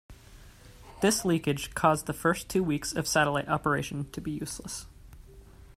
This leakage caused the first two weeks of satellite operation to be useless.